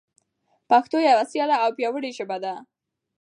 پښتو یوه سیاله او پیاوړي ژبه ده.